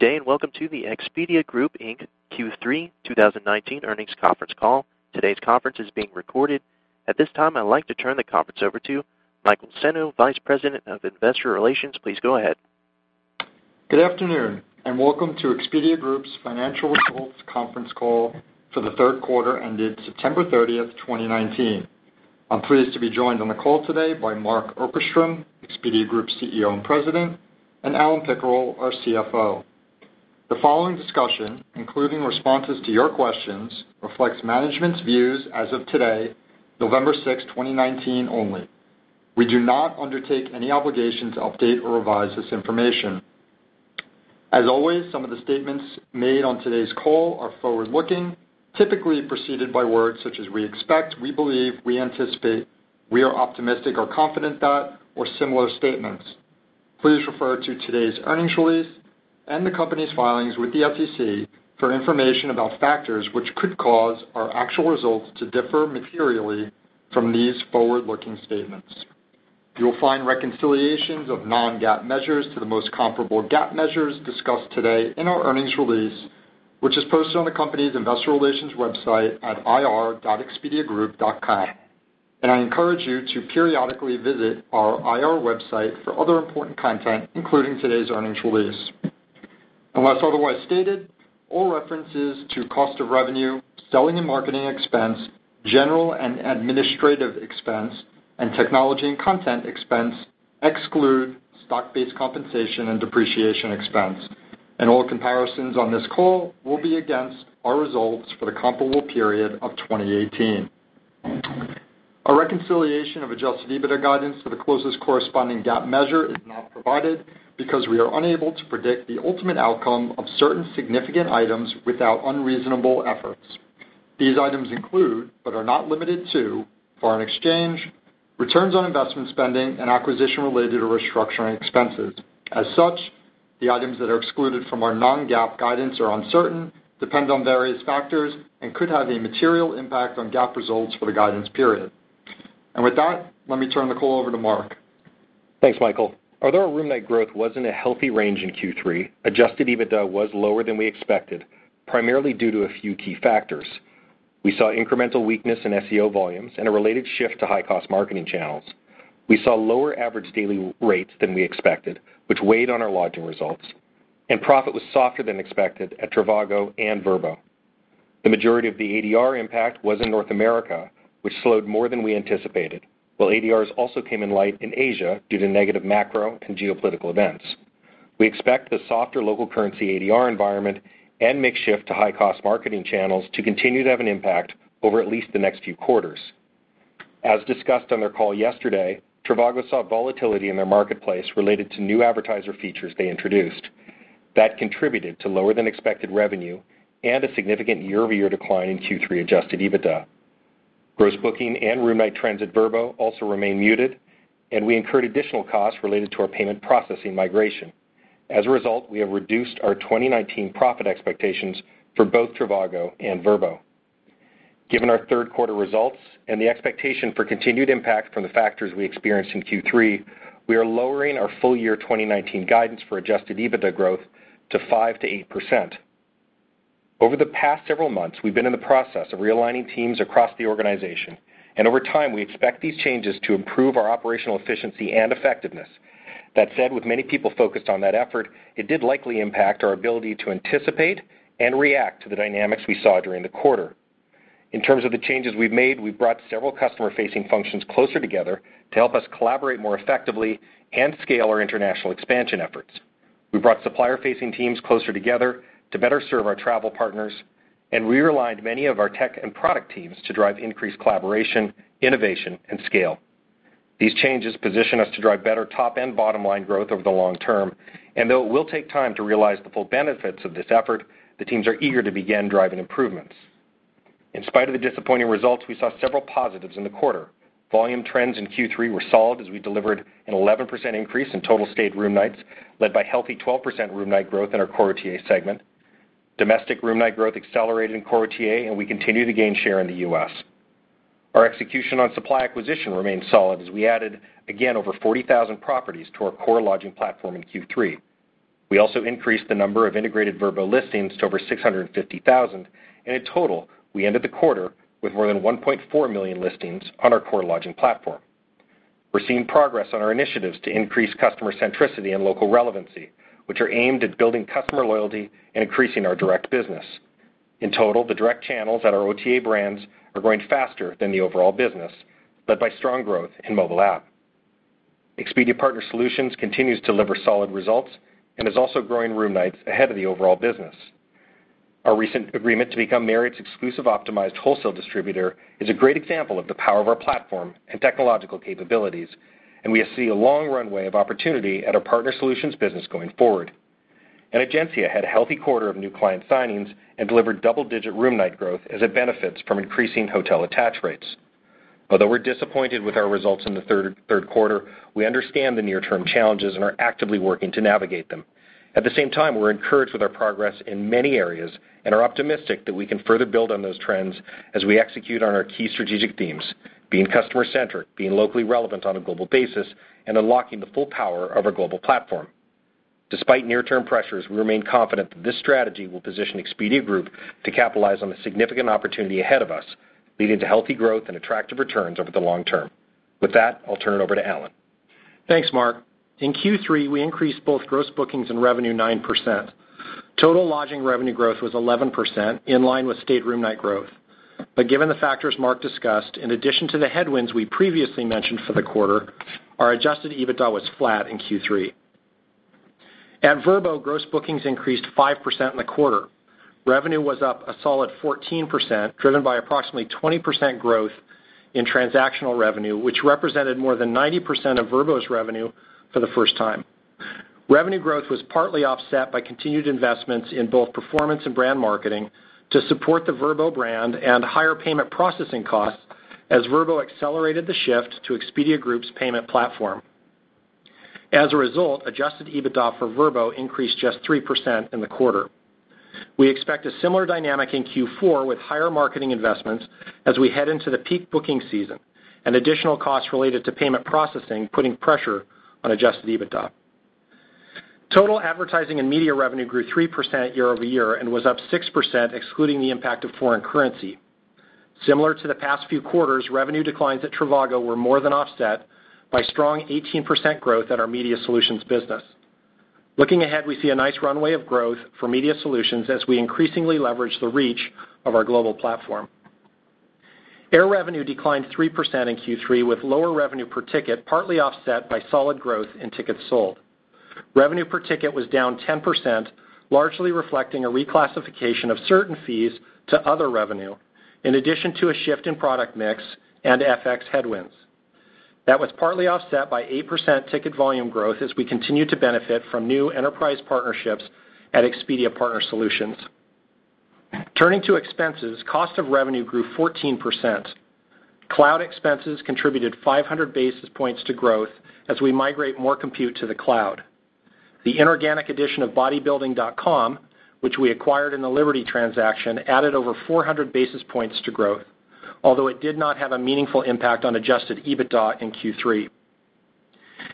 Good day, and welcome to the Expedia Group Inc Q3 2019 earnings conference call. Today's conference is being recorded. At this time, I'd like to turn the conference over to Michael Senno, Vice President of Investor Relations. Please go ahead. Good afternoon, and welcome to Expedia Group's financial results conference call for the third quarter ended September 30th, 2019. I'm pleased to be joined on the call today by Mark Okerstrom, Expedia Group's CEO and President, and Alan Pickerill, our CFO. The following discussion, including responses to your questions, reflects management's views as of today, November 6, 2019 only. We do not undertake any obligation to update or revise this information. As always, some of the statements made on today's call are forward-looking, typically preceded by words such as "we expect," "we believe," "we anticipate," "we are optimistic" or "confident that," or similar statements. Please refer to today's earnings release and the company's filings with the SEC for information about factors which could cause our actual results to differ materially from these forward-looking statements. You will find reconciliations of non-GAAP measures to the most comparable GAAP measures discussed today in our earnings release, which is posted on the company's investor relations website at ir.expediagroup.com, and I encourage you to periodically visit our IR website for other important content, including today's earnings release. Unless otherwise stated, all references to cost of revenue, selling and marketing expense, general and administrative expense, and technology and content expense exclude stock-based compensation and depreciation expense, and all comparisons on this call will be against our results for the comparable period of 2018. A reconciliation of adjusted EBITDA guidance to the closest corresponding GAAP measure is not provided because we are unable to predict the ultimate outcome of certain significant items without unreasonable efforts. These items include, but are not limited to, foreign exchange, returns on investment spending, and acquisition-related or restructuring expenses. As such, the items that are excluded from our non-GAAP guidance are uncertain, depend on various factors, and could have a material impact on GAAP results for the guidance period. With that, let me turn the call over to Mark. Thanks, Michael. Although our room night growth was in a healthy range in Q3, adjusted EBITDA was lower than we expected, primarily due to a few key factors. We saw incremental weakness in SEO volumes and a related shift to high-cost marketing channels. We saw lower average daily rates than we expected, which weighed on our lodging results, and profit was softer than expected at trivago and Vrbo. The majority of the ADR impact was in North America, which slowed more than we anticipated, while ADRs also came in light in Asia due to negative macro and geopolitical events. We expect the softer local currency ADR environment and mix shift to high-cost marketing channels to continue to have an impact over at least the next few quarters. As discussed on their call yesterday, trivago saw volatility in their marketplace related to new advertiser features they introduced. That contributed to lower-than-expected revenue and a significant year-over-year decline in Q3 adjusted EBITDA. Gross booking and room night trends at Vrbo also remain muted. We incurred additional costs related to our payment processing migration. As a result, we have reduced our 2019 profit expectations for both trivago and Vrbo. Given our third quarter results and the expectation for continued impact from the factors we experienced in Q3, we are lowering our full-year 2019 guidance for adjusted EBITDA growth to 5%-8%. Over the past several months, we've been in the process of realigning teams across the organization. Over time, we expect these changes to improve our operational efficiency and effectiveness. That said, with many people focused on that effort, it did likely impact our ability to anticipate and react to the dynamics we saw during the quarter. In terms of the changes we've made, we've brought several customer-facing functions closer together to help us collaborate more effectively and scale our international expansion efforts. We brought supplier-facing teams closer together to better serve our travel partners and realigned many of our tech and product teams to drive increased collaboration, innovation, and scale. These changes position us to drive better top and bottom-line growth over the long term, and though it will take time to realize the full benefits of this effort, the teams are eager to begin driving improvements. In spite of the disappointing results, we saw several positives in the quarter. Volume trends in Q3 were solid as we delivered an 11% increase in total stayed room nights, led by healthy 12% room night growth in our core OTA segment. Domestic room night growth accelerated in core OTA, and we continue to gain share in the U.S. Our execution on supply acquisition remained solid as we added again over 40,000 properties to our core lodging platform in Q3. We also increased the number of integrated Vrbo listings to over 650,000, and in total, we ended the quarter with more than 1.4 million listings on our core lodging platform. We're seeing progress on our initiatives to increase customer centricity and local relevancy, which are aimed at building customer loyalty and increasing our direct business. In total, the direct channels at our OTA brands are growing faster than the overall business, led by strong growth in mobile app. Expedia Partner Solutions continues to deliver solid results and is also growing room nights ahead of the overall business. Our recent agreement to become Marriott's exclusive optimized wholesale distributor is a great example of the power of our platform and technological capabilities. We see a long runway of opportunity at our Partner Solutions business going forward. Egencia had a healthy quarter of new client signings and delivered double-digit room night growth as it benefits from increasing hotel attach rates. Although we're disappointed with our results in the third quarter, we understand the near-term challenges and are actively working to navigate them. At the same time, we're encouraged with our progress in many areas and are optimistic that we can further build on those trends as we execute on our key strategic themes, being customer-centric, being locally relevant on a global basis, and unlocking the full power of our global platform. Despite near-term pressures, we remain confident that this strategy will position Expedia Group to capitalize on the significant opportunity ahead of us, leading to healthy growth and attractive returns over the long term. With that, I'll turn it over to Alan. Thanks, Mark. In Q3, we increased both gross bookings and revenue 9%. Total lodging revenue growth was 11%, in line with stayed room night growth. Given the factors Mark discussed, in addition to the headwinds we previously mentioned for the quarter, our adjusted EBITDA was flat in Q3. At Vrbo, gross bookings increased 5% in the quarter. Revenue was up a solid 14%, driven by approximately 20% growth in transactional revenue, which represented more than 90% of Vrbo's revenue for the first time. Revenue growth was partly offset by continued investments in both performance and brand marketing to support the Vrbo brand and higher payment processing costs as Vrbo accelerated the shift to Expedia Group's payment platform. As a result, adjusted EBITDA for Vrbo increased just 3% in the quarter. We expect a similar dynamic in Q4 with higher marketing investments as we head into the peak booking season, and additional costs related to payment processing, putting pressure on adjusted EBITDA. Total advertising and media revenue grew 3% year-over-year and was up 6% excluding the impact of foreign currency. Similar to the past few quarters, revenue declines at trivago were more than offset by strong 18% growth at our Media Solutions business. Looking ahead, we see a nice runway of growth for Media Solutions as we increasingly leverage the reach of our global platform. Air revenue declined 3% in Q3, with lower revenue per ticket partly offset by solid growth in tickets sold. Revenue per ticket was down 10%, largely reflecting a reclassification of certain fees to other revenue, in addition to a shift in product mix and FX headwinds. That was partly offset by 8% ticket volume growth as we continue to benefit from new enterprise partnerships at Expedia Partner Solutions. Turning to expenses, cost of revenue grew 14%. Cloud expenses contributed 500 basis points to growth as we migrate more compute to the cloud. The inorganic addition of Bodybuilding.com, which we acquired in the Liberty transaction, added over 400 basis points to growth, although it did not have a meaningful impact on adjusted EBITDA in Q3.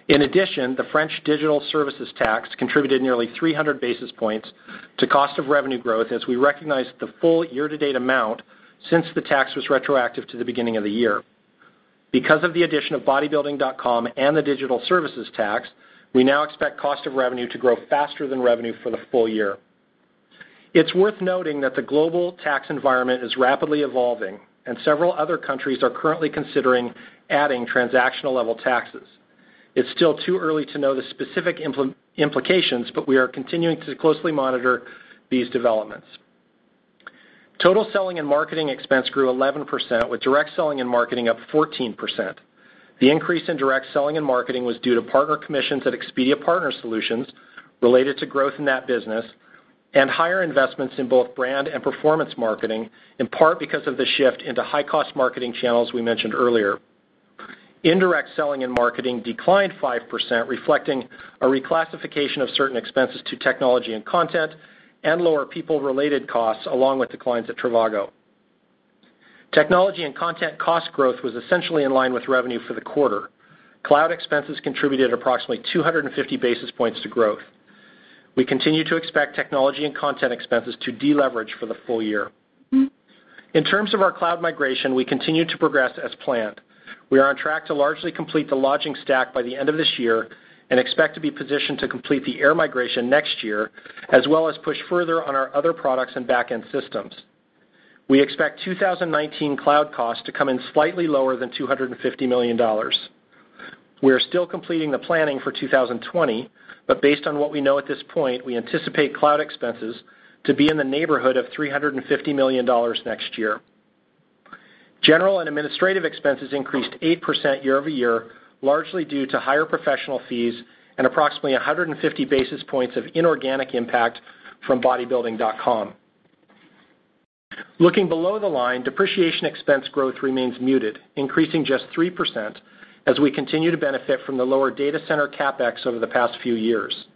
In addition, the French digital services tax contributed nearly 300 basis points to cost of revenue growth as we recognized the full year-to-date amount since the tax was retroactive to the beginning of the year. Because of the addition of Bodybuilding.com and the digital services tax, we now expect cost of revenue to grow faster than revenue for the full year. It's worth noting that the global tax environment is rapidly evolving, and several other countries are currently considering adding transactional-level taxes. It's still too early to know the specific implications, but we are continuing to closely monitor these developments. Total selling and marketing expense grew 11%, with direct selling and marketing up 14%. The increase in direct selling and marketing was due to partner commissions at Expedia Partner Solutions related to growth in that business and higher investments in both brand and performance marketing, in part because of the shift into high-cost marketing channels we mentioned earlier. Indirect selling and marketing declined 5%, reflecting a reclassification of certain expenses to technology and content and lower people-related costs along with declines at trivago. Technology and content cost growth was essentially in line with revenue for the quarter. Cloud expenses contributed approximately 250 basis points to growth. We continue to expect technology and content expenses to deleverage for the full year. In terms of our cloud migration, we continue to progress as planned. We are on track to largely complete the lodging stack by the end of this year and expect to be positioned to complete the air migration next year, as well as push further on our other products and back-end systems. We expect 2019 cloud costs to come in slightly lower than $250 million. We are still completing the planning for 2020, but based on what we know at this point, we anticipate cloud expenses to be in the neighborhood of $350 million next year. General and administrative expenses increased 8% year-over-year, largely due to higher professional fees and approximately 150 basis points of inorganic impact from Bodybuilding.com. Looking below the line, depreciation expense growth remains muted, increasing just 3% as we continue to benefit from the lower data center CapEx over the past few years.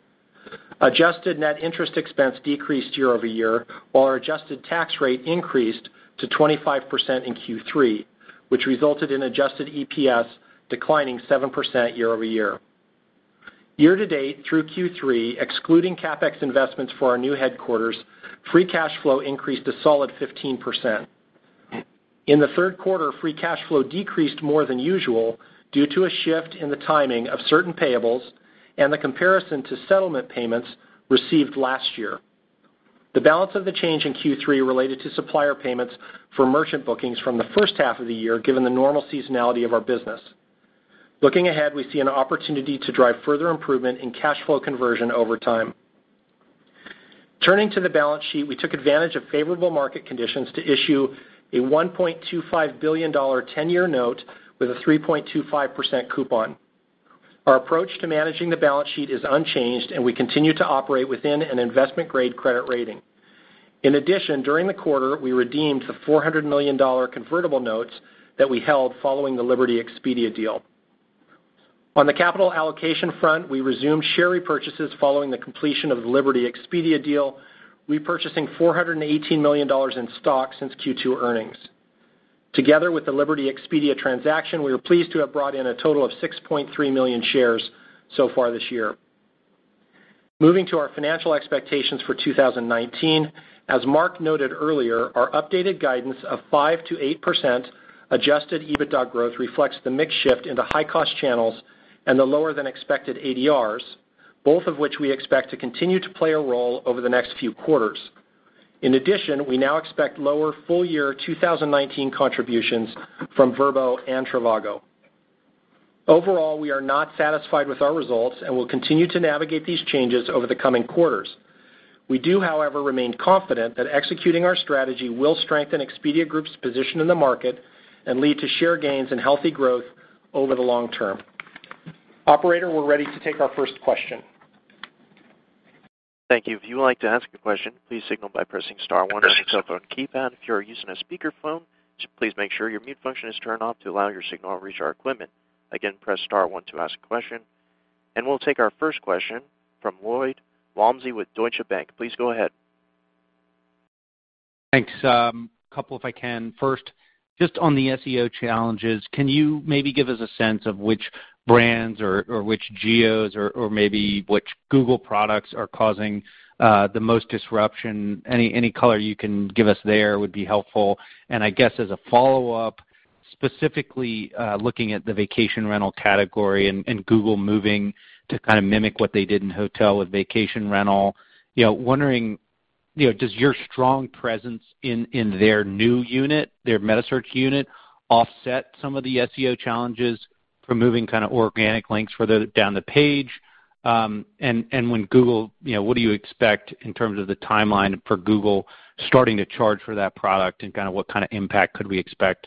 Adjusted net interest expense decreased year-over-year, while our adjusted tax rate increased to 25% in Q3, which resulted in adjusted EPS declining 7% year-over-year. Year to date through Q3, excluding CapEx investments for our new headquarters, free cash flow increased a solid 15%. In the third quarter, free cash flow decreased more than usual due to a shift in the timing of certain payables and the comparison to settlement payments received last year. The balance of the change in Q3 related to supplier payments for merchant bookings from the first half of the year, given the normal seasonality of our business. Looking ahead, we see an opportunity to drive further improvement in cash flow conversion over time. Turning to the balance sheet, we took advantage of favorable market conditions to issue a $1.25 billion 10-year note with a 3.25% coupon. Our approach to managing the balance sheet is unchanged, and we continue to operate within an investment-grade credit rating. In addition, during the quarter, we redeemed the $400 million convertible notes that we held following the Liberty Expedia deal. On the capital allocation front, we resumed share repurchases following the completion of the Liberty Expedia deal, repurchasing $418 million in stock since Q2 earnings. Together with the Liberty Expedia transaction, we are pleased to have brought in a total of 6.3 million shares so far this year. Moving to our financial expectations for 2019, as Mark noted earlier, our updated guidance of 5%-8% adjusted EBITDA growth reflects the mix shift into high-cost channels and the lower than expected ADRs, both of which we expect to continue to play a role over the next few quarters. In addition, we now expect lower full-year 2019 contributions from Vrbo and trivago. Overall, we are not satisfied with our results and will continue to navigate these changes over the coming quarters. We do, however, remain confident that executing our strategy will strengthen Expedia Group's position in the market and lead to share gains and healthy growth over the long term. Operator, we're ready to take our first question. Thank you. If you would like to ask a question, please signal by pressing star one on your telephone keypad. If you are using a speakerphone, please make sure your mute function is turned off to allow your signal to reach our equipment. Again, press star one to ask a question. We'll take our first question from Lloyd Walmsley with Deutsche Bank. Please go ahead. Thanks. A couple if I can. First, just on the SEO challenges, can you maybe give us a sense of which brands or which geos or maybe which Google products are causing the most disruption? Any color you can give us there would be helpful. I guess as a follow-up, specifically looking at the vacation rental category and Google moving to mimic what they did in hotel with vacation rental, wondering, does your strong presence in their new unit, their metasearch unit, offset some of the SEO challenges from moving organic links further down the page? When do you expect in terms of the timeline for Google starting to charge for that product, and what kind of impact could we expect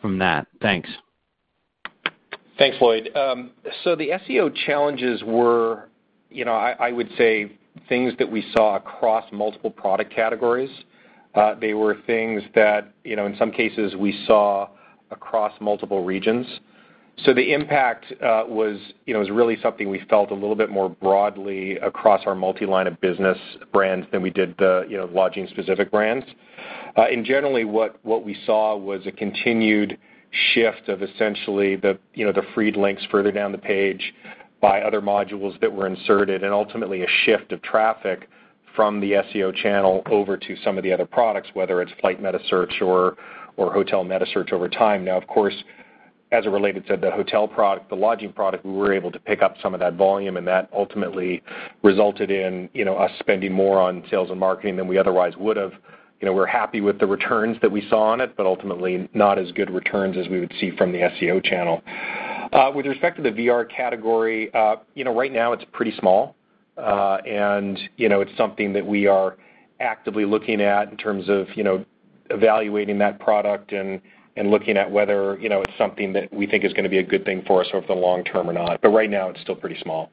from that? Thanks. Thanks, Lloyd. The SEO challenges were, I would say, things that we saw across multiple product categories. They were things that, in some cases, we saw across multiple regions. The impact was really something we felt a little bit more broadly across our multiline of business brands than we did the lodging specific brands. Generally, what we saw was a continued shift of essentially the freed links further down the page by other modules that were inserted, and ultimately a shift of traffic from the SEO channel over to some of the other products, whether it's flight metasearch or hotel metasearch over time. Now, of course, as it related to the hotel product, the lodging product, we were able to pick up some of that volume, and that ultimately resulted in us spending more on sales and marketing than we otherwise would have. We're happy with the returns that we saw on it, but ultimately not as good returns as we would see from the SEO channel. With respect to the VR category, right now it's pretty small. It's something that we are actively looking at in terms of evaluating that product and looking at whether it's something that we think is going to be a good thing for us over the long term or not. Right now, it's still pretty small.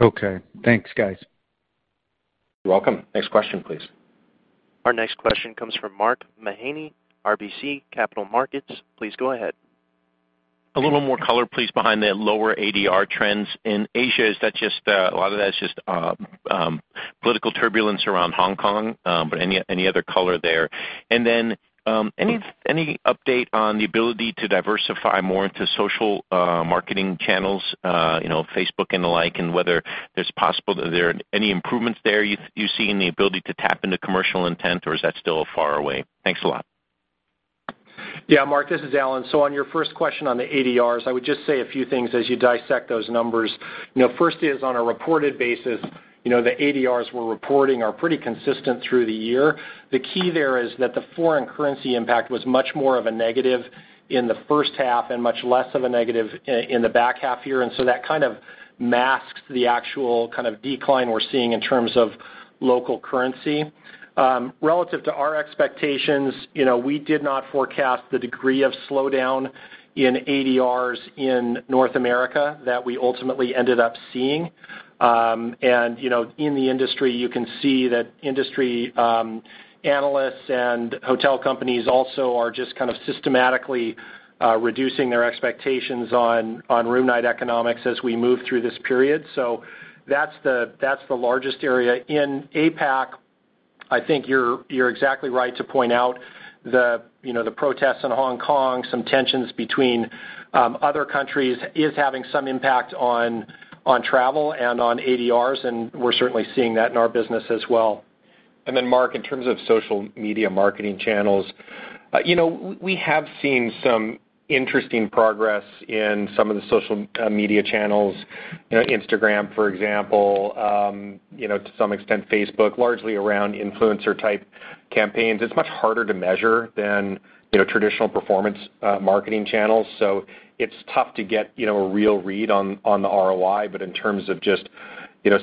Okay. Thanks, guys. You are welcome. Next question, please. Our next question comes from Mark Mahaney, RBC Capital Markets. Please go ahead. A little more color, please, behind the lower ADR trends in Asia. Is that just a lot of that is just political turbulence around Hong Kong? Any other color there? Then, any update on the ability to diversify more into social marketing channels, Facebook and the like, are there any improvements there you see in the ability to tap into commercial intent, or is that still far away? Thanks a lot. Yeah, Mark, this is Alan. On your first question on the ADRs, I would just say a few things as you dissect those numbers. First is on a reported basis, the ADRs we're reporting are pretty consistent through the year. The key there is that the foreign currency impact was much more of a negative in the first half and much less of a negative in the back half year, that kind of masks the actual decline we're seeing in terms of local currency. Relative to our expectations, we did not forecast the degree of slowdown in ADRs in North America that we ultimately ended up seeing. In the industry, you can see that industry analysts and hotel companies also are just systematically reducing their expectations on room night economics as we move through this period. That's the largest area. In APAC, I think you're exactly right to point out the protests in Hong Kong, some tensions between other countries is having some impact on travel and on ADRs, and we're certainly seeing that in our business as well. Mark, in terms of social media marketing channels, we have seen some interesting progress in some of the social media channels, Instagram, for example, to some extent Facebook, largely around influencer type campaigns. It's much harder to measure than traditional performance marketing channels. It's tough to get a real read on the ROI. In terms of just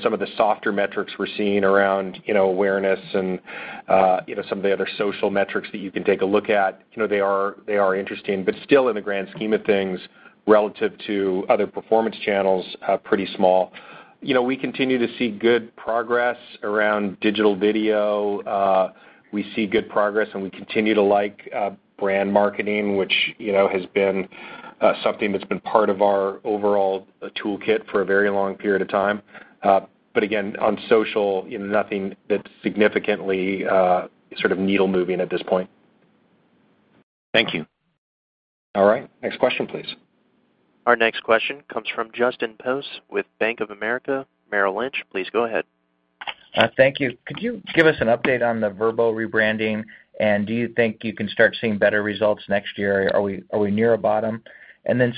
some of the softer metrics we're seeing around awareness and some of the other social metrics that you can take a look at, they are interesting, but still in the grand scheme of things, relative to other performance channels, pretty small. We continue to see good progress around digital video. We see good progress and we continue to like brand marketing, which has been something that's been part of our overall toolkit for a very long period of time. Again, on social, nothing that's significantly sort of needle-moving at this point. Thank you. All right. Next question, please. Our next question comes from Justin Post with Bank of America Merrill Lynch. Please go ahead. Thank you. Could you give us an update on the Vrbo rebranding? Do you think you can start seeing better results next year? Are we near a bottom?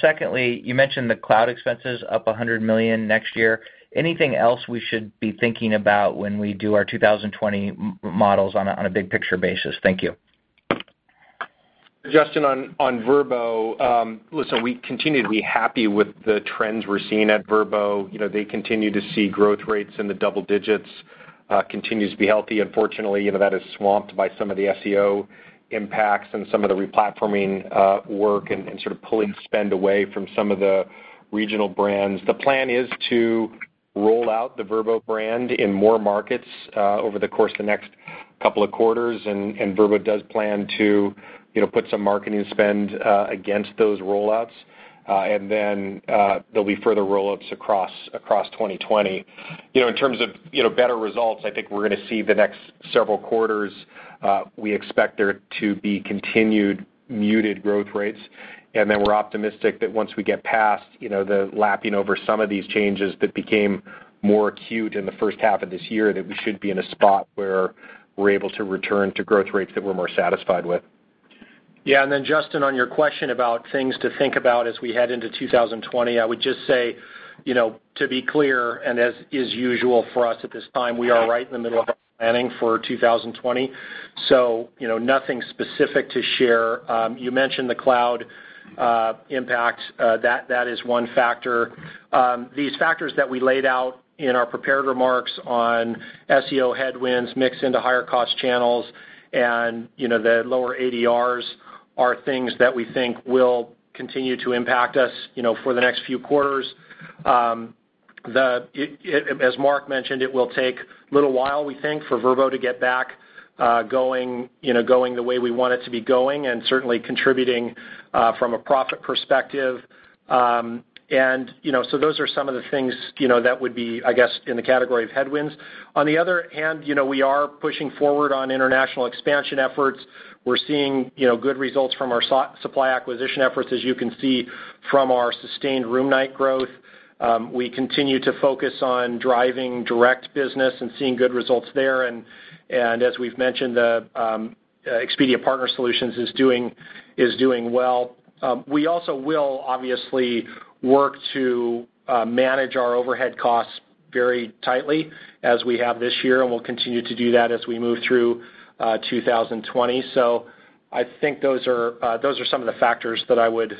Secondly, you mentioned the cloud expenses up $100 million next year. Anything else we should be thinking about when we do our 2020 models on a big picture basis? Thank you. Justin, on Vrbo, listen, we continue to be happy with the trends we're seeing at Vrbo. They continue to see growth rates in the double digits, continues to be healthy. Unfortunately, that is swamped by some of the SEO impacts and some of the re-platforming work and sort of pulling spend away from some of the regional brands. The plan is to roll out the Vrbo brand in more markets over the course of the next couple of quarters, and Vrbo does plan to put some marketing spend against those rollouts. There'll be further rollouts across 2020. In terms of better results, I think we're going to see the next several quarters, we expect there to be continued muted growth rates. We're optimistic that once we get past the lapping over some of these changes that became more acute in the first half of this year, that we should be in a spot where we're able to return to growth rates that we're more satisfied with. Yeah. Justin, on your question about things to think about as we head into 2020, I would just say, to be clear, and as is usual for us at this time, we are right in the middle of our planning for 2020, so nothing specific to share. You mentioned the cloud impact. That is one factor. These factors that we laid out in our prepared remarks on SEO headwinds mix into higher cost channels and the lower ADRs are things that we think will continue to impact us for the next few quarters. As Mark mentioned, it will take a little while, we think, for Vrbo to get back going the way we want it to be going and certainly contributing from a profit perspective. Those are some of the things that would be, I guess, in the category of headwinds. On the other hand, we are pushing forward on international expansion efforts. We're seeing good results from our supply acquisition efforts, as you can see from our sustained room night growth. We continue to focus on driving direct business and seeing good results there, and as we've mentioned, the Expedia Partner Solutions is doing well. We also will obviously work to manage our overhead costs very tightly as we have this year, and we'll continue to do that as we move through 2020. I think those are some of the factors that I would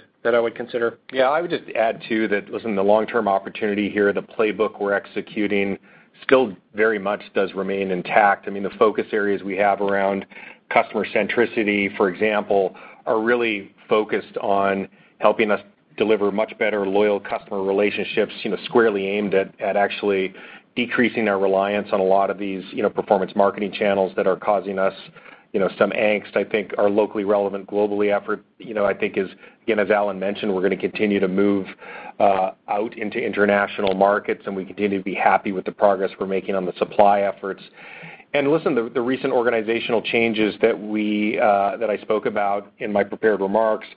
consider. Yeah, I would just add, too, that listen, the long-term opportunity here, the playbook we're executing still very much does remain intact. I mean, the focus areas we have around customer centricity, for example, are really focused on helping us deliver much better loyal customer relationships squarely aimed at actually decreasing our reliance on a lot of these performance marketing channels that are causing us some angst. I think our locally relevant globally effort, I think is, again, as Alan mentioned, we're going to continue to move out into international markets, and we continue to be happy with the progress we're making on the supply efforts. Listen, the recent organizational changes that I spoke about in my prepared remarks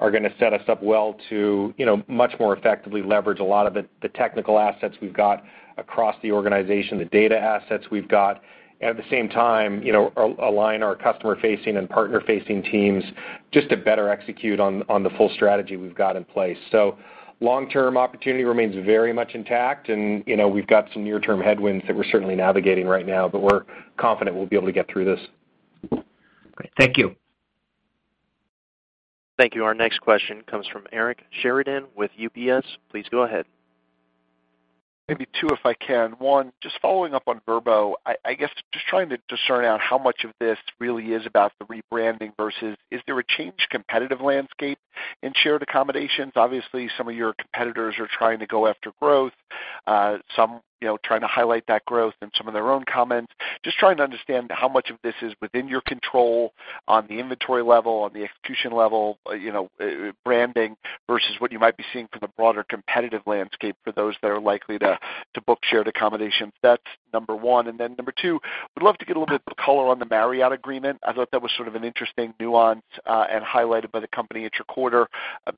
are going to set us up well to much more effectively leverage a lot of the technical assets we've got across the organization, the data assets we've got. At the same time, align our customer-facing and partner-facing teams just to better execute on the full strategy we've got in place. Long-term opportunity remains very much intact, and we've got some near-term headwinds that we're certainly navigating right now, but we're confident we'll be able to get through this. Great. Thank you. Thank you. Our next question comes from Eric Sheridan with UBS. Please go ahead. Maybe two, if I can. One, just following up on Vrbo, I guess just trying to discern out how much of this really is about the rebranding versus is there a changed competitive landscape in shared accommodations? Obviously, some of your competitors are trying to go after growth, some trying to highlight that growth in some of their own comments. Just trying to understand how much of this is within your control on the inventory level, on the execution level, branding versus what you might be seeing from the broader competitive landscape for those that are likely to book shared accommodations. That's number one. Number two, would love to get a little bit of color on the Marriott agreement. I thought that was sort of an interesting nuance and highlighted by the company at your quarter.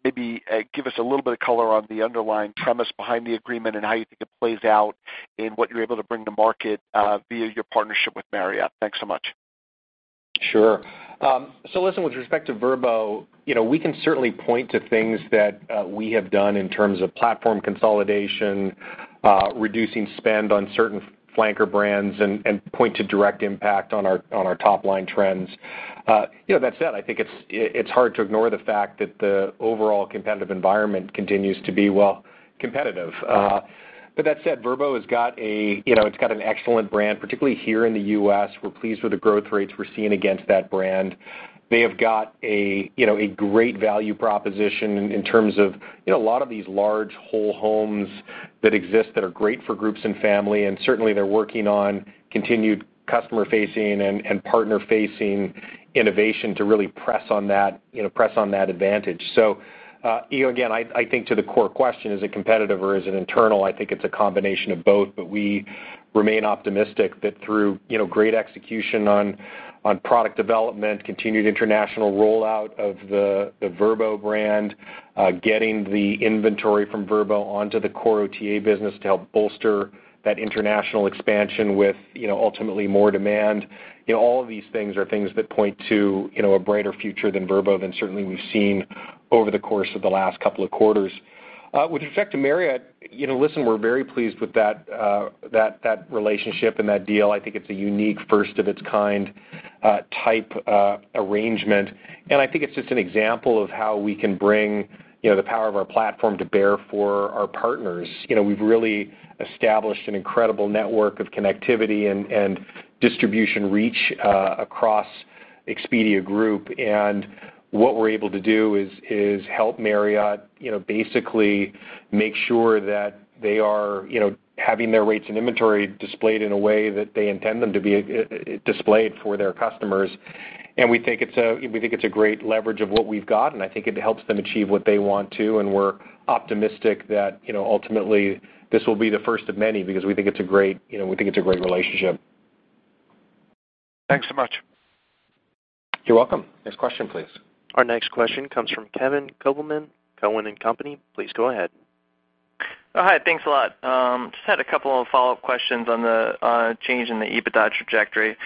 Maybe give us a little bit of color on the underlying premise behind the agreement and how you think it plays out in what you're able to bring to market via your partnership with Marriott. Thanks so much. Listen, with respect to Vrbo, we can certainly point to things that we have done in terms of platform consolidation, reducing spend on certain flanker brands, and point to direct impact on our top-line trends. That said, I think it's hard to ignore the fact that the overall competitive environment continues to be, well, competitive. That said, Vrbo has got an excellent brand, particularly here in the U.S. We're pleased with the growth rates we're seeing against that brand. They have got a great value proposition in terms of a lot of these large whole homes that exist that are great for groups and family, and certainly, they're working on continued customer-facing and partner-facing innovation to really press on that advantage. Again, I think to the core question, is it competitive or is it internal? I think it's a combination of both, we remain optimistic that through great execution on product development, continued international rollout of the Vrbo brand, getting the inventory from Vrbo onto the core OTA business to help bolster that international expansion with ultimately more demand. All of these things are things that point to a brighter future than Vrbo, than certainly we've seen over the course of the last couple of quarters. With respect to Marriott, listen, we're very pleased with that relationship and that deal. I think it's a unique first-of-its-kind type arrangement, and I think it's just an example of how we can bring the power of our platform to bear for our partners. We've really established an incredible network of connectivity and distribution reach across Expedia Group. What we're able to do is help Marriott basically make sure that they are having their rates and inventory displayed in a way that they intend them to be displayed for their customers. We think it's a great leverage of what we've got, and I think it helps them achieve what they want too. We're optimistic that ultimately this will be the first of many because we think it's a great relationship. Thanks so much. You are welcome. Next question, please. Our next question comes from Kevin Kopelman, Cowen & Company. Please go ahead. Hi, thanks a lot. Just had a couple of follow-up questions on the change in the EBITDA trajectory.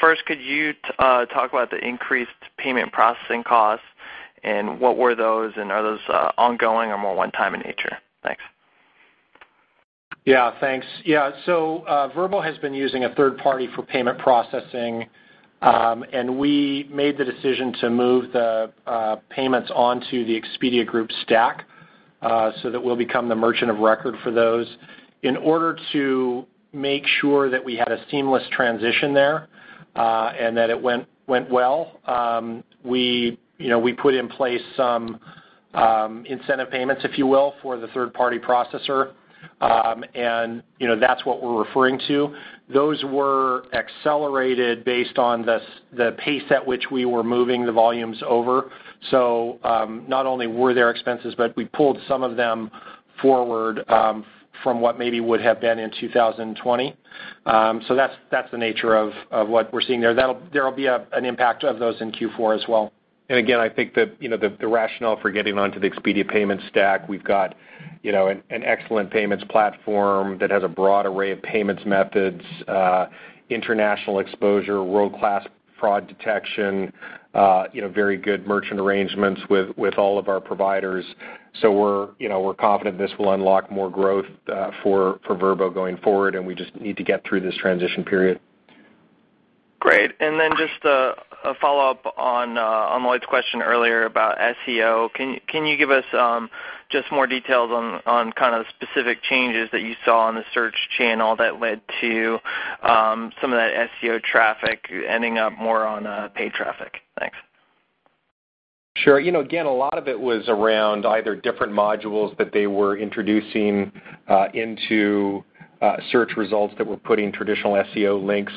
First, could you talk about the increased payment processing costs and what were those, and are those ongoing or more one-time in nature? Thanks. Yeah, thanks. Vrbo has been using a third party for payment processing, and we made the decision to move the payments onto the Expedia Group stack so that we'll become the merchant of record for those. In order to make sure that we had a seamless transition there, and that it went well, we put in place some incentive payments, if you will, for the third-party processor. That's what we're referring to. Those were accelerated based on the pace at which we were moving the volumes over. Not only were there expenses, but we pulled some of them forward from what maybe would have been in 2020. That's the nature of what we're seeing there. There will be an impact of those in Q4 as well. Again, I think the rationale for getting onto the Expedia payment stack, we've got an excellent payments platform that has a broad array of payments methods, international exposure, world-class fraud detection, very good merchant arrangements with all of our providers. We're confident this will unlock more growth for Vrbo going forward, and we just need to get through this transition period. Great. Then just a follow-up on Lloyd's question earlier about SEO. Can you give us just more details on kind of the specific changes that you saw on the search channel that led to some of that SEO traffic ending up more on paid traffic? Thanks. Sure. Again, a lot of it was around either different modules that they were introducing into search results that were putting traditional SEO links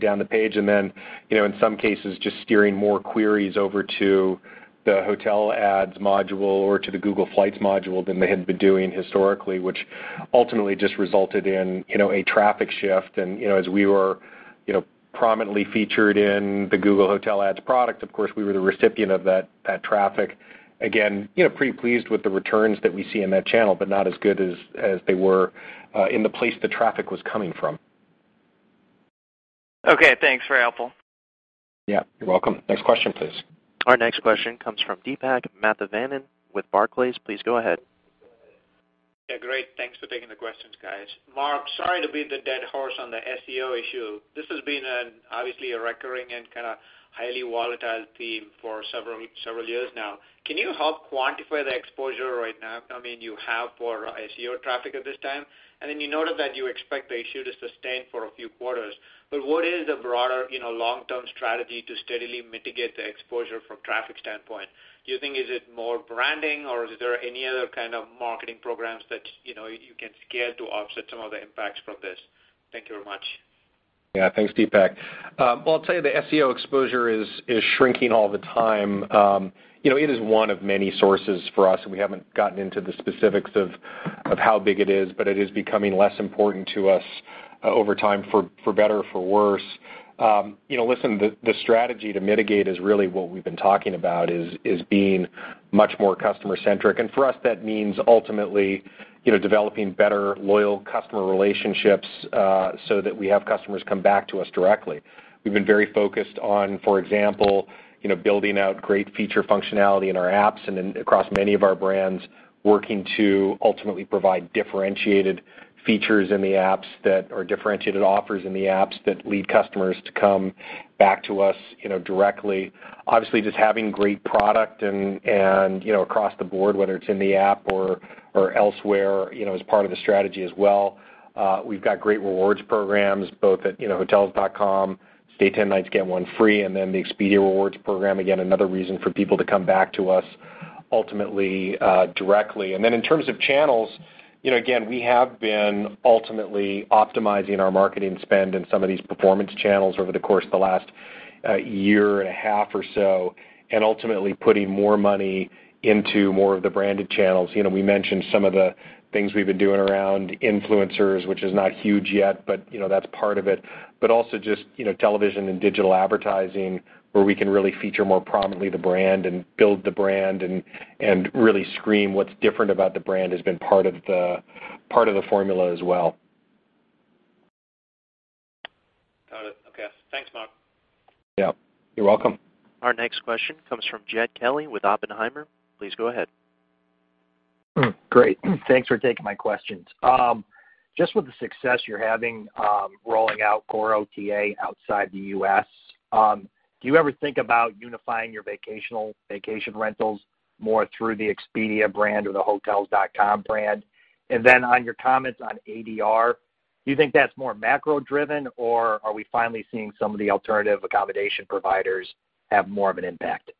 down the page, then in some cases, just steering more queries over to the Hotel Ads module or to the Google Flights module than they had been doing historically, which ultimately just resulted in a traffic shift. As we were prominently featured in the Google Hotel Ads product, of course, we were the recipient of that traffic. Again, pretty pleased with the returns that we see in that channel, not as good as they were in the place the traffic was coming from. Okay, thanks. Very helpful. Yeah, you're welcome. Next question, please. Our next question comes from Deepak Mathivanan with Barclays. Please go ahead. Yeah, great. Thanks for taking the questions, guys. Mark, sorry to beat the dead horse on the SEO issue. This has been obviously a recurring and highly volatile theme for several years now. Can you help quantify the exposure right now? I mean, you have for SEO traffic at this time, and then you noted that you expect the issue to sustain for a few quarters. What is the broader long-term strategy to steadily mitigate the exposure from traffic standpoint? Do you think is it more branding, or is there any other kind of marketing programs that you can scale to offset some of the impacts from this? Thank you very much. Yeah, thanks, Deepak. Well, I'll tell you, the SEO exposure is shrinking all the time. It is one of many sources for us, and we haven't gotten into the specifics of how big it is, but it is becoming less important to us over time, for better or for worse. Listen, the strategy to mitigate is really what we've been talking about, is being much more customer-centric. For us, that means ultimately developing better loyal customer relationships so that we have customers come back to us directly. We've been very focused on, for example building out great feature functionality in our apps and across many of our brands, working to ultimately provide differentiated features in the apps that are differentiated offers in the apps that lead customers to come back to us directly. Obviously, just having great product and across the board, whether it's in the app or elsewhere, is part of the strategy as well. We've got great rewards programs both at Hotels.com, stay 10 nights, get one free, and then the Expedia Rewards program, again, another reason for people to come back to us. Ultimately, directly. In terms of channels, again, we have been ultimately optimizing our marketing spend in some of these performance channels over the course of the last year and a half or so, and ultimately putting more money into more of the branded channels. We mentioned some of the things we've been doing around influencers, which is not huge yet, but that's part of it. Also just television and digital advertising, where we can really feature more prominently the brand and build the brand and really scream what's different about the brand has been part of the formula as well. Got it. Okay. Thanks, Mark. Yeah. You're welcome. Our next question comes from Jed Kelly with Oppenheimer. Please go ahead. Great. Thanks for taking my questions. Just with the success you're having rolling out core OTA outside the U.S., do you ever think about unifying your vacation rentals more through the Expedia brand or the Hotels.com brand? On your comments on ADR, do you think that's more macro-driven, or are we finally seeing some of the alternative accommodation providers have more of an impact?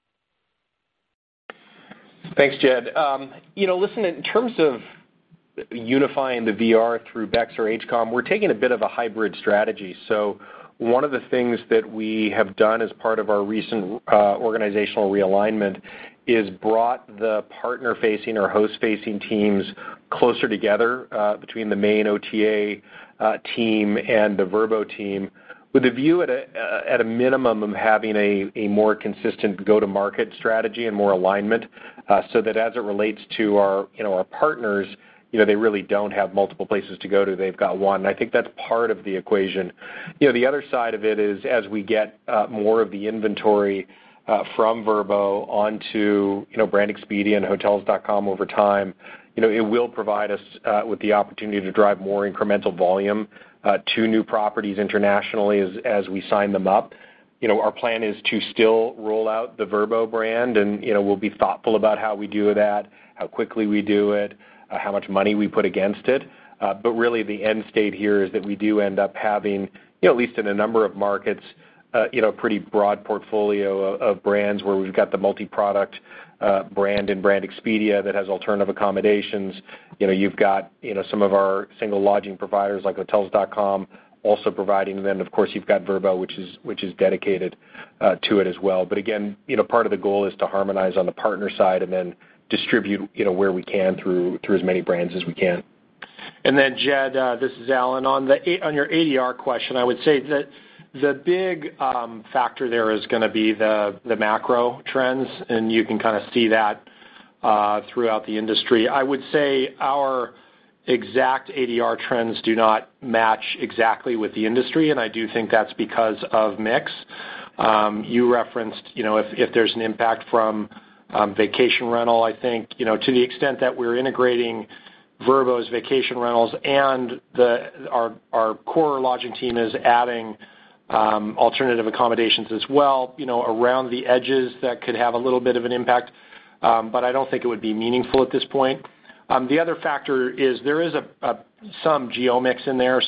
Thanks, Jed. Listen, in terms of unifying the VR through BEX or HCOM, we're taking a bit of a hybrid strategy. One of the things that we have done as part of our recent organizational realignment is brought the partner-facing or host-facing teams closer together, between the main OTA team and the Vrbo team, with a view at a minimum of having a more consistent go-to-market strategy and more alignment, so that as it relates to our partners, they really don't have multiple places to go to. They've got one. I think that's part of the equation. The other side of it is, as we get more of the inventory from Vrbo onto Brand Expedia and Hotels.com over time, it will provide us with the opportunity to drive more incremental volume to new properties internationally as we sign them up. Our plan is to still roll out the Vrbo brand, and we'll be thoughtful about how we do that, how quickly we do it, how much money we put against it. Really the end state here is that we do end up having, at least in a number of markets, a pretty broad portfolio of brands where we've got the multi-product brand and Brand Expedia that has alternative accommodations. You've got some of our single lodging providers like Hotels.com also providing them. Of course, you've got Vrbo, which is dedicated to it as well. Again, part of the goal is to harmonize on the partner side and then distribute where we can through as many brands as we can. Jed, this is Alan. On your ADR question, I would say that the big factor there is going to be the macro trends, and you can kind of see that throughout the industry. I would say our exact ADR trends do not match exactly with the industry, and I do think that's because of mix. You referenced if there's an impact from vacation rental, I think, to the extent that we're integrating Vrbo's vacation rentals and our core lodging team is adding alternative accommodations as well around the edges, that could have a little bit of an impact. I don't think it would be meaningful at this point. The other factor is there is some geo mix in there.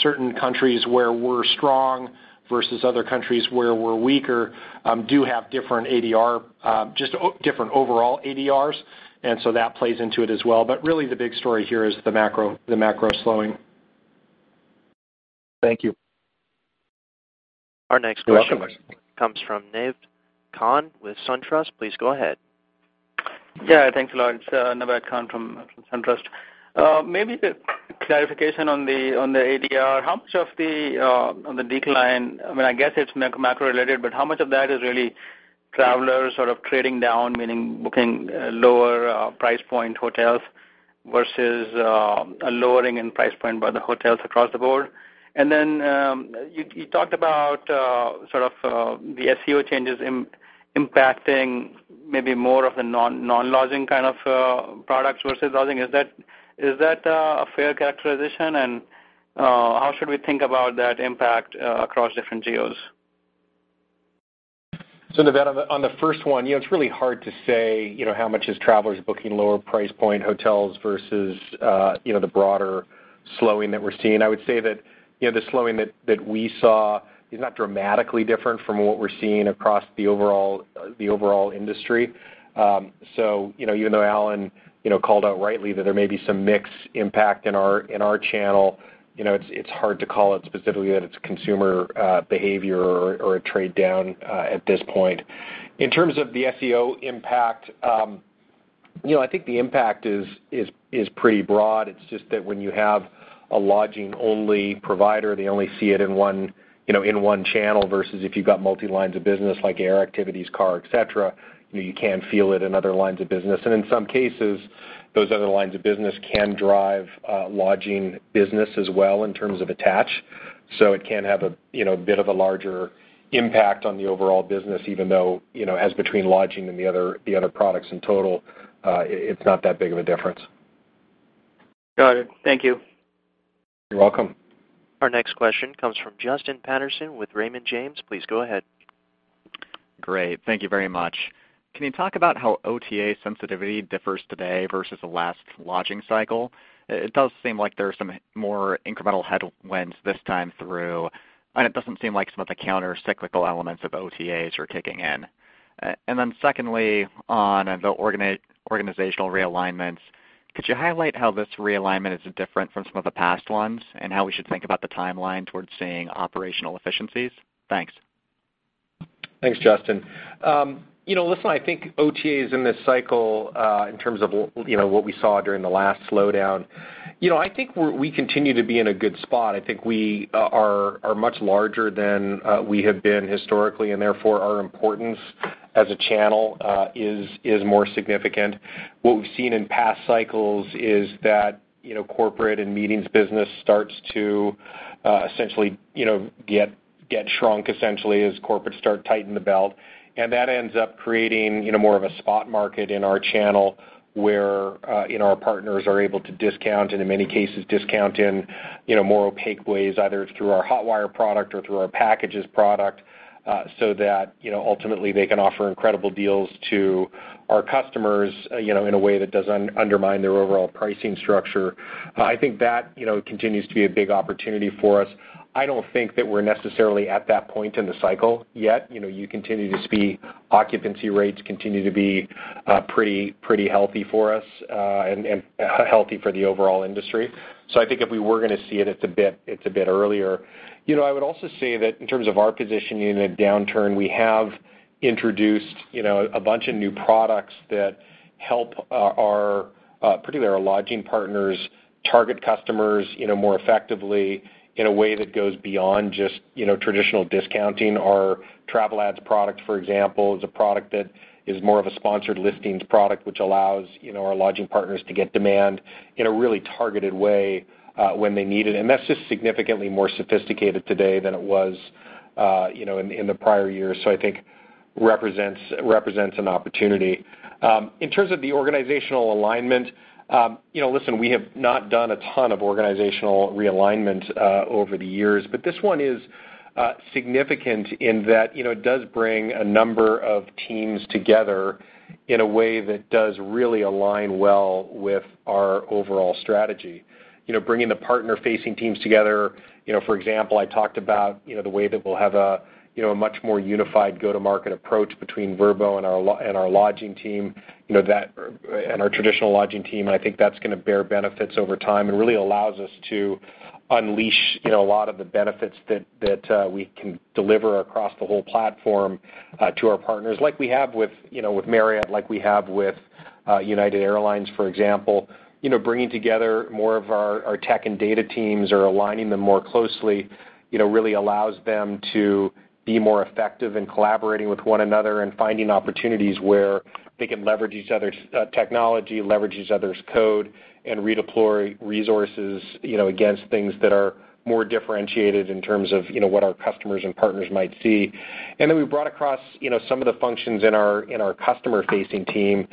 Certain countries where we're strong versus other countries where we're weaker do have just different overall ADRs, and so that plays into it as well. Really the big story here is the macro slowing. Thank you. Our next question- You're welcome.... comes from Naved Khan with SunTrust. Please go ahead. Yeah, thanks a lot. It's Naved Khan from SunTrust. Maybe the clarification on the ADR, how much of the decline, I guess it's macro related, but how much of that is really travelers sort of trading down, meaning booking lower price point hotels versus a lowering in price point by the hotels across the board? You talked about sort of the SEO changes impacting maybe more of the non-lodging kind of products versus lodging. Is that a fair characterization? How should we think about that impact across different geos? Naved on the first one, it's really hard to say how much is travelers booking lower price point hotels versus the broader slowing that we're seeing. I would say that the slowing that we saw is not dramatically different from what we're seeing across the overall industry. Even though Alan called out rightly that there may be some mix impact in our channel, it's hard to call it specifically that it's consumer behavior or a trade-down at this point. In terms of the SEO impact, I think the impact is pretty broad. It's just that when you have a lodging-only provider, they only see it in one channel, versus if you've got multi lines of business like air, activities, car, et cetera, you can feel it in other lines of business. In some cases, those other lines of business can drive lodging business as well in terms of attach, so it can have a bit of a larger impact on the overall business, even though as between lodging and the other products in total, it's not that big of a difference. Got it. Thank you. You're welcome. Our next question comes from Justin Patterson with Raymond James. Please go ahead. Great. Thank you very much. Can you talk about how OTA sensitivity differs today versus the last lodging cycle? It does seem like there's some more incremental headwinds this time through, and it doesn't seem like some of the counter-cyclical elements of OTAs are kicking in. Secondly, on the organizational realignments. Could you highlight how this realignment is different from some of the past ones, and how we should think about the timeline towards seeing operational efficiencies? Thanks. Thanks, Justin. Listen, I think OTA is in this cycle in terms of what we saw during the last slowdown. I think we continue to be in a good spot. I think we are much larger than we have been historically, and therefore, our importance as a channel is more significant. What we've seen in past cycles is that corporate and meetings business starts to essentially get shrunk as corporates start tightening the belt. That ends up creating more of a spot market in our channel where our partners are able to discount and, in many cases, discount in more opaque ways, either through our Hotwire product or through our packages product, so that ultimately they can offer incredible deals to our customers in a way that doesn't undermine their overall pricing structure. I think that continues to be a big opportunity for us. I don't think that we're necessarily at that point in the cycle yet. You continue to see occupancy rates continue to be pretty healthy for us and healthy for the overall industry. I think if we were going to see it's a bit earlier. I would also say that in terms of our positioning in a downturn, we have introduced a bunch of new products that help particularly our lodging partners target customers more effectively in a way that goes beyond just traditional discounting. Our TravelAds product, for example, is a product that is more of a sponsored listings product, which allows our lodging partners to get demand in a really targeted way when they need it. That's just significantly more sophisticated today than it was in the prior years, so I think represents an opportunity. In terms of the organizational alignment, listen, we have not done a ton of organizational realignment over the years, but this one is significant in that it does bring a number of teams together in a way that does really align well with our overall strategy. Bringing the partner-facing teams together, for example, I talked about the way that we'll have a much more unified go-to-market approach between Vrbo and our traditional lodging team, and I think that's going to bear benefits over time and really allows us to unleash a lot of the benefits that we can deliver across the whole platform to our partners, like we have with Marriott, like we have with United Airlines, for example. Bringing together more of our tech and data teams or aligning them more closely really allows them to be more effective in collaborating with one another and finding opportunities where they can leverage each other's technology, leverage each other's code, and redeploy resources against things that are more differentiated in terms of what our customers and partners might see. We brought across some of the functions in our customer-facing team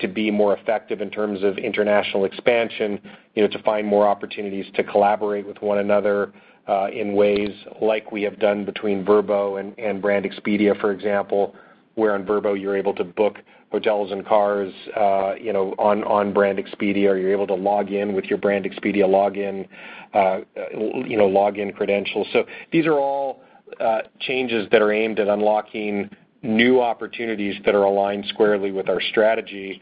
to be more effective in terms of international expansion to find more opportunities to collaborate with one another in ways like we have done between Vrbo and Brand Expedia, for example, where on Vrbo, you're able to book hotels and cars on Brand Expedia, or you're able to log in with your Brand Expedia login credentials. These are all changes that are aimed at unlocking new opportunities that are aligned squarely with our strategy.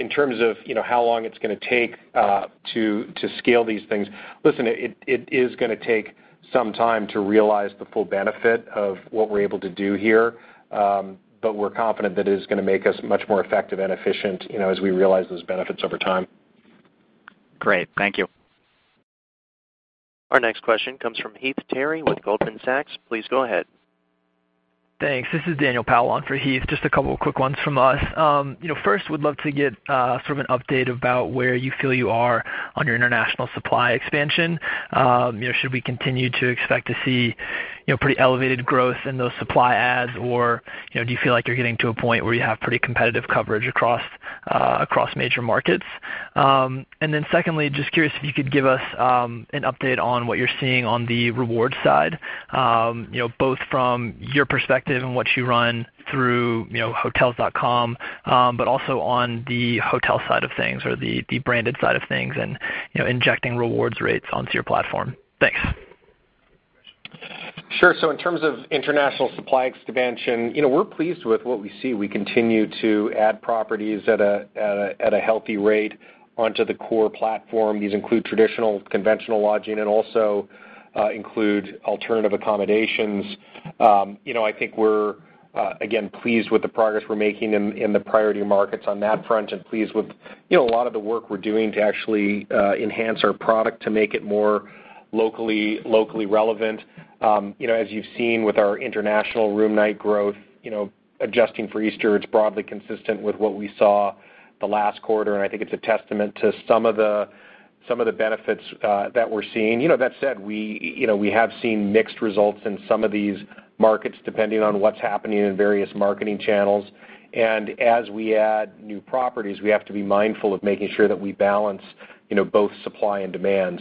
In terms of how long it's going to take to scale these things, listen, it is going to take some time to realize the full benefit of what we're able to do here, but we're confident that it is going to make us much more effective and efficient as we realize those benefits over time. Great. Thank you. Our next question comes from Heath Terry with Goldman Sachs. Please go ahead. Thanks. This is Daniel Powell on for Heath. Just a couple of quick ones from us. First, would love to get sort of an update about where you feel you are on your international supply expansion. Should we continue to expect to see pretty elevated growth in those supply adds, or do you feel like you're getting to a point where you have pretty competitive coverage across major markets? Secondly, just curious if you could give us an update on what you're seeing on the reward side both from your perspective and what you run through Hotels.com, but also on the hotel side of things or the branded side of things and injecting rewards rates onto your platform. Thanks. Sure. In terms of international supply expansion, we're pleased with what we see. We continue to add properties at a healthy rate onto the core platform. These include traditional conventional lodging and also include alternative accommodations. I think we're, again, pleased with the progress we're making in the priority markets on that front and pleased with a lot of the work we're doing to actually enhance our product to make it more locally relevant. As you've seen with our international room night growth, adjusting for Easter, it's broadly consistent with what we saw the last quarter, and I think it's a testament to some of the benefits that we're seeing. That said, we have seen mixed results in some of these markets, depending on what's happening in various marketing channels. As we add new properties, we have to be mindful of making sure that we balance both supply and demand.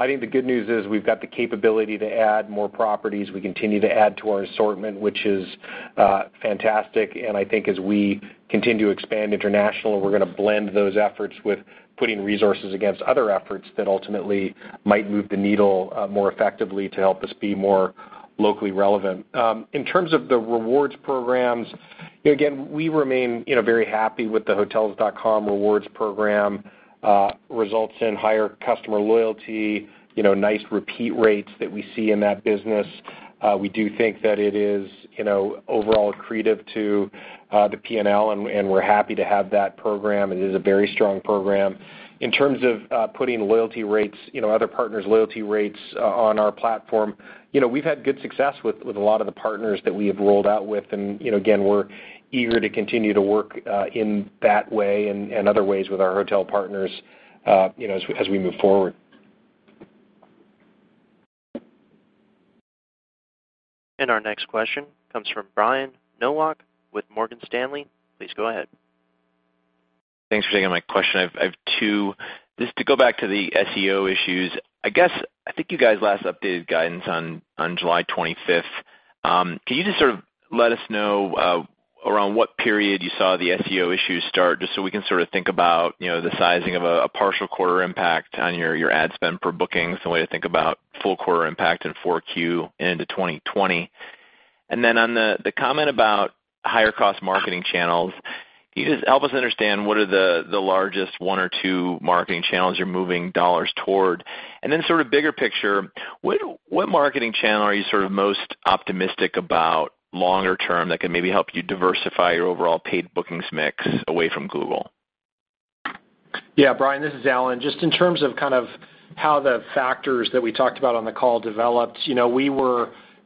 I think the good news is we've got the capability to add more properties. We continue to add to our assortment, which is fantastic. I think as we continue to expand international, we're going to blend those efforts with putting resources against other efforts that ultimately might move the needle more effectively to help us be more locally relevant. In terms of the rewards programs, again, we remain very happy with the Hotels.com Rewards program. Results in higher customer loyalty, nice repeat rates that we see in that business. We do think that it is overall accretive to the P&L, and we're happy to have that program. It is a very strong program. In terms of putting other partners' loyalty rates on our platform, we've had good success with a lot of the partners that we have rolled out with, and again, we're eager to continue to work in that way and other ways with our hotel partners as we move forward. Our next question comes from Brian Nowak with Morgan Stanley. Please go ahead. Thanks for taking my question. I have two. Just to go back to the SEO issues, I think you guys last updated guidance on July 25th. Can you just sort of let us know around what period you saw the SEO issues start, just so we can sort of think about the sizing of a partial quarter impact on your ad spend per bookings, and a way to think about full quarter impact in 4Q and into 2020. On the comment about higher cost marketing channels, can you just help us understand what are the largest one or two marketing channels you're moving dollars toward? Sort of bigger picture, what marketing channel are you sort of most optimistic about longer term that can maybe help you diversify your overall paid bookings mix away from Google? Yeah, Brian, this is Alan. Just in terms of kind of how the factors that we talked about on the call developed,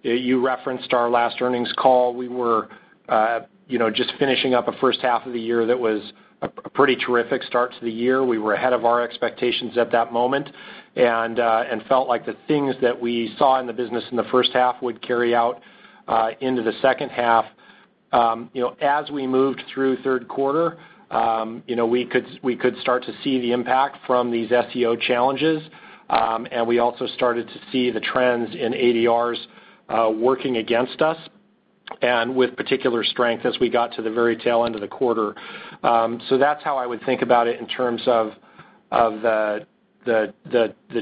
you referenced our last earnings call. We were just finishing up a first half of the year that was a pretty terrific start to the year. We were ahead of our expectations at that moment and felt like the things that we saw in the business in the first half would carry out into the second half. As we moved through third quarter, we could start to see the impact from these SEO challenges. We also started to see the trends in ADRs working against us, and with particular strength as we got to the very tail end of the quarter. That's how I would think about it in terms of the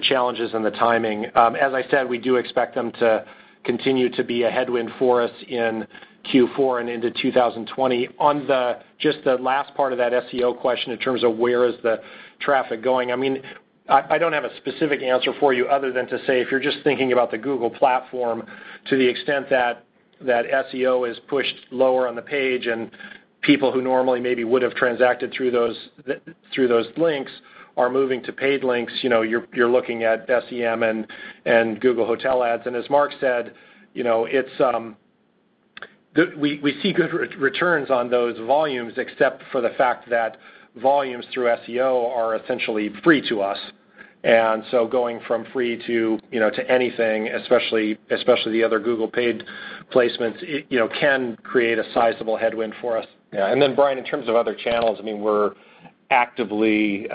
challenges and the timing. As I said, we do expect them to continue to be a headwind for us in Q4 and into 2020. On just the last part of that SEO question in terms of where is the traffic going, I don't have a specific answer for you other than to say, if you're just thinking about the Google platform to the extent that SEO is pushed lower on the page and people who normally maybe would've transacted through those links are moving to paid links, you're looking at SEM and Google Hotel Ads. As Mark said, we see good returns on those volumes, except for the fact that volumes through SEO are essentially free to us. Going from free to anything, especially the other Google paid placements, can create a sizable headwind for us. Yeah. Brian, in terms of other channels, we're actively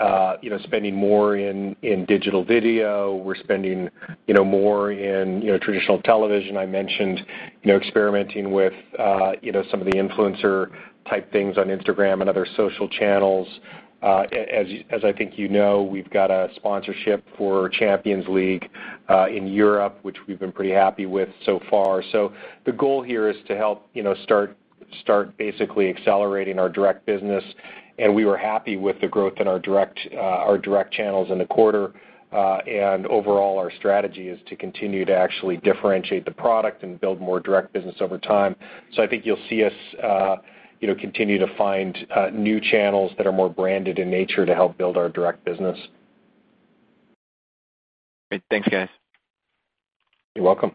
spending more in digital video. We're spending more in traditional television. I mentioned experimenting with some of the influencer type things on Instagram and other social channels. I think you know, we've got a sponsorship for Champions League in Europe, which we've been pretty happy with so far. The goal here is to help start basically accelerating our direct business, and we were happy with the growth in our direct channels in the quarter. Overall, our strategy is to continue to actually differentiate the product and build more direct business over time. I think you'll see us continue to find new channels that are more branded in nature to help build our direct business. Great. Thanks, guys. You're welcome.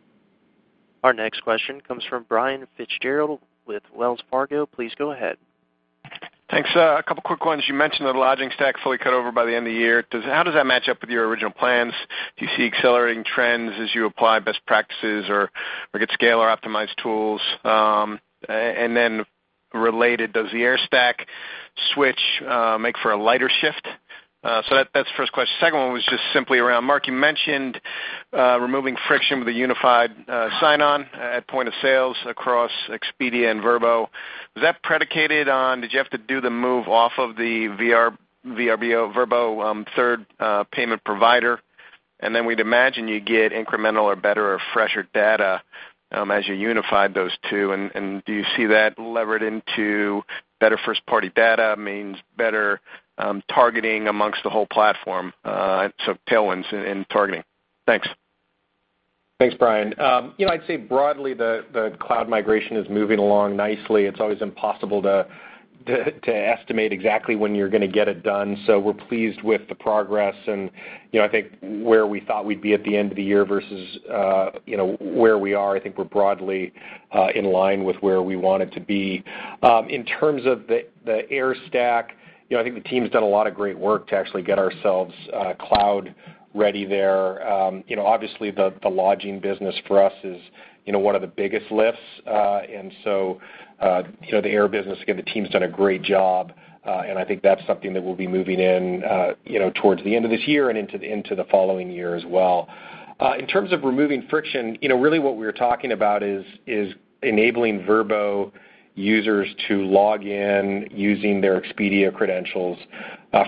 Our next question comes from Brian Fitzgerald with Wells Fargo. Please go ahead. Thanks. A couple quick ones. You mentioned that the lodging stack fully cut over by the end of the year. How does that match up with your original plans? Do you see accelerating trends as you apply best practices or get scale or optimized tools? Related, does the air stack switch make for a lighter shift? That's the first question. Second one was just simply around Mark, you mentioned removing friction with a unified sign-on at point of sales across Expedia and Vrbo. Did you have to do the move off of the Vrbo third payment provider? We'd imagine you get incremental or better or fresher data as you unified those two. Do you see that levered into better first party data means better targeting amongst the whole platform, so tailwinds in targeting? Thanks. Thanks, Brian. I'd say broadly, the cloud migration is moving along nicely. It's always impossible to estimate exactly when you're going to get it done. We're pleased with the progress and I think where we thought we'd be at the end of the year versus where we are, I think we're broadly in line with where we wanted to be. In terms of the air stack, I think the team's done a lot of great work to actually get ourselves cloud-ready there. Obviously, the lodging business for us is one of the biggest lifts. The air business, again, the team's done a great job. I think that's something that we'll be moving in towards the end of this year and into the following year as well. In terms of removing friction, really what we were talking about is enabling Vrbo users to log in using their Expedia credentials.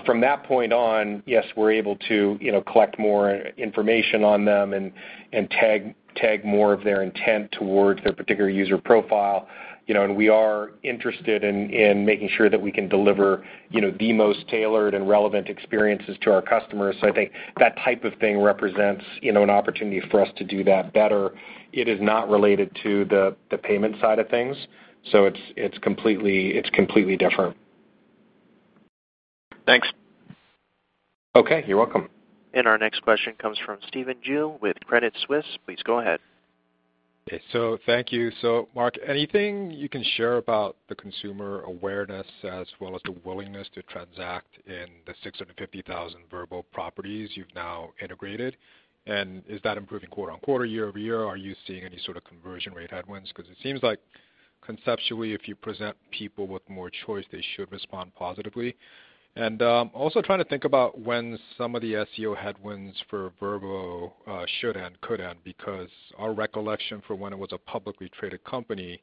From that point on, yes, we're able to collect more information on them and tag more of their intent towards their particular user profile. We are interested in making sure that we can deliver the most tailored and relevant experiences to our customers. I think that type of thing represents an opportunity for us to do that better. It is not related to the payment side of things. It's completely different. Thanks. Okay. You're welcome. Our next question comes from Stephen Ju with Credit Suisse. Please go ahead. Okay, thank you. Mark, anything you can share about the consumer awareness as well as the willingness to transact in the 650,000 Vrbo properties you've now integrated? Is that improving quarter-over-quarter, year-over-year? Are you seeing any sort of conversion rate headwinds? It seems like conceptually, if you present people with more choice, they should respond positively. Also trying to think about when some of the SEO headwinds for Vrbo should end, could end, because our recollection for when it was a publicly traded company